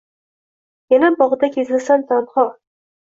Yana bog’da kezasan tanho